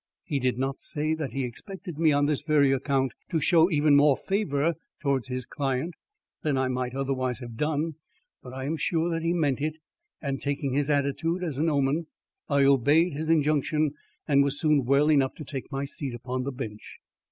He did not say that he expected me on this very account to show even more favour towards his client than I might otherwise have done, but I am sure that he meant it; and, taking his attitude as an omen, I obeyed his injunction and was soon well enough to take my seat upon the Bench.